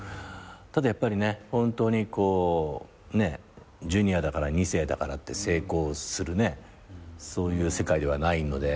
ただやっぱりジュニアだから二世だからって成功するそういう世界ではないので。